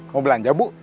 mau belanja bu